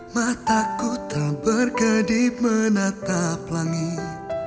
mataku terbergedip menatap langit